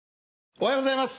おはようございます。